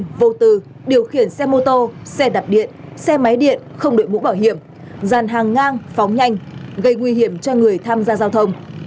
học sinh vô từ điều khiển xe mô tô xe đạp điện xe máy điện không đổi mũ bảo hiểm gian hàng ngang phóng nhanh gây nguy hiểm cho người tham gia giao thông